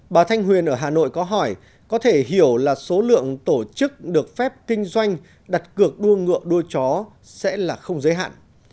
bà thanh huyền ở hà nội có hỏi có thể hiểu là số lượng tổ chức được phép kinh doanh đặt cược đua ngựa đua chó sẽ là không giới hạn